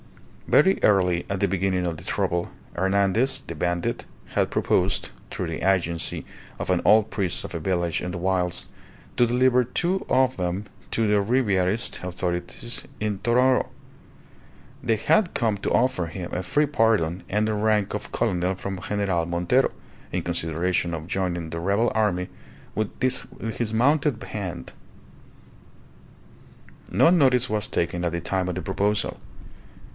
Very early, at the beginning of the trouble, Hernandez, the bandit, had proposed (through the agency of an old priest of a village in the wilds) to deliver two of them to the Ribierist authorities in Tonoro. They had come to offer him a free pardon and the rank of colonel from General Montero in consideration of joining the rebel army with his mounted band. No notice was taken at the time of the proposal.